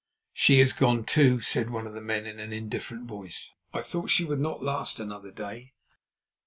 "She has gone, too," said one of the men in an indifferent voice. "I thought she would not last another day."